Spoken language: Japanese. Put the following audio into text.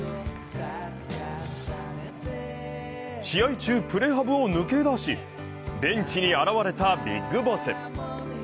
試合中、プレハブを抜け出しベンチに現れたビッグボス。